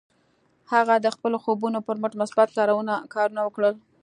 هغه د خپلو خوبونو پر مټ مثبت کارونه وکړل